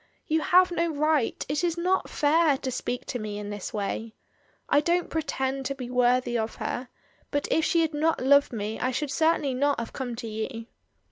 "You have no right, it is not fair, to speak to me in this way. I don't pretend to be worthy of her, but if she had not loved me I should certainly not have come to you."